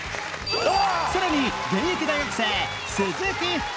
さらに現役大学生鈴木福